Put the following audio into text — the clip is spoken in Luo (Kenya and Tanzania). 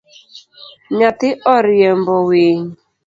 Nyathi oriembo winy